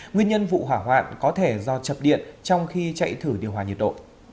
nguyên nhân vụ hỏa hoạn có thể do chập điện trong khi chạy thử điều hòa nhiệt độ